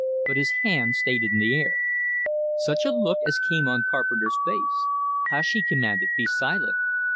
But his hand stayed in the air. Such a look as came on Carpenter's face! "Hush!" he commanded. "Be silent!"